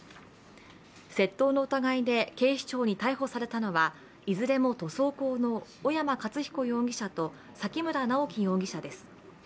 窃盗の疑いで警視庁に逮捕されたのは、いずれも塗装工の小山克彦容疑者と崎村直喜容疑者です。